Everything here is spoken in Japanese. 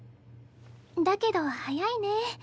だけど早いね。